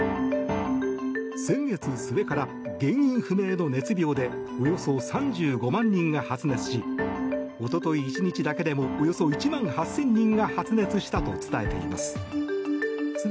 先月末から、原因不明の熱病でおよそ３５万人が発熱し一昨日１日だけでもおよそ１万８０００人が発熱したと伝えています。